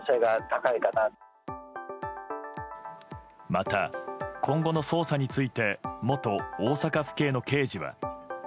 また、今後の捜査について元大阪府警の刑事は。